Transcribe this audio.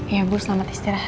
iya ibu selamat istirahat